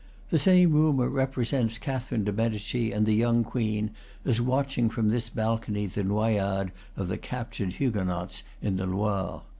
The same rumor represents Catherine de' Medici and the young queen as watching from this balcony the noyades of the captured Huguenots in the Loire.